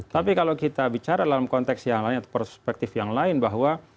tapi kalau kita bicara dalam konteks yang lain atau perspektif yang lain bahwa